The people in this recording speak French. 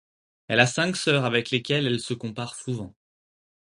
Elle a cinq sœurs avec lesquelles elle se compare souvent.